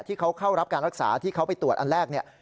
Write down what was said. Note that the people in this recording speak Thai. ที่เขาเข้ารับการรักษาที่เขาไปตรวจอันแรกเนี่ย